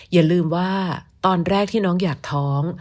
อย่าลืมว่าตอนแรกที่น้องอยากท้อง